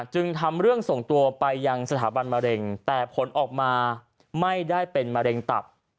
จึงทำเรื่องส่งตัวไปยังสถาบันมะเร็งแต่ผลออกมาไม่ได้เป็นมะเร็งตับ